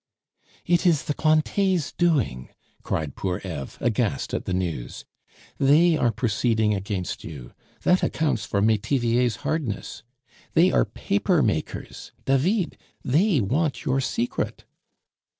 "It is the Cointet's doing!" cried poor Eve, aghast at the news; "they are proceeding against you! that accounts for Metivier's hardness. ... They are paper makers David! they want your secret!"